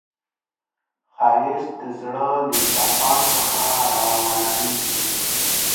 ښایست د زړه له صفا څخه راولاړیږي